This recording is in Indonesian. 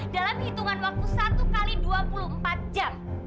dalam hitungan waktu satu x dua puluh empat jam